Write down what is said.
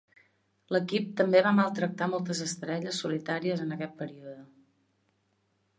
L'equip també va maltractar moltes estrelles solitàries en aquest període.